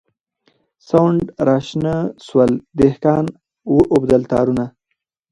سونډ راشنه سول دهقان و اوبدل تارونه